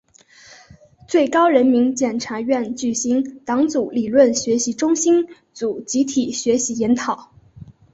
最高人民检察院举行党组理论学习中心组集体学习研讨